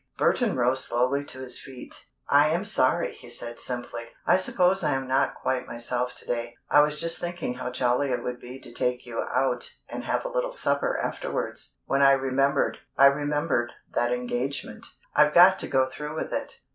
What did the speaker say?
Burton rose slowly to his feet. "I am sorry," he said simply. "I suppose I am not quite myself to day. I was just thinking how jolly it would be to take you out and have a little supper afterwards, when I remembered I remembered that engagement. I've got to go through with it."